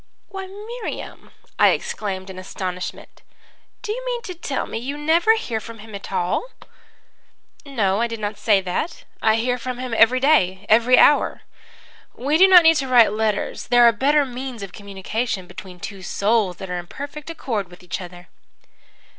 "'Why, Miriam!' I exclaimed in astonishment. 'Do you mean to tell me you never hear from him at all?' "'No, I did not say that. I hear from him every day every hour. We do not need to write letters. There are better means of communication between two souls that are in perfect accord with each other.'